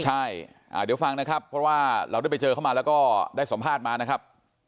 ใช่เดี๋ยวฟังนะครับเพราะว่าเราได้ไปเจอเข้ามาแล้วก็ได้สัมภาษณ์มานะครับ